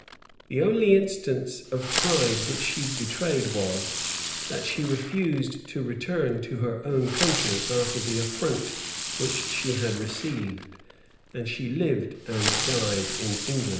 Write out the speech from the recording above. The only instance of pride which she betrayed was, that she refused to return to her own country after the affront which she had received; and she lived and died in England.